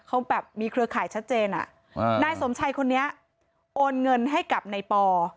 เขาแบบมีเครือข่ายชัดเจนนายสมชัยคนนี้โอนเงินให้กับนายปอ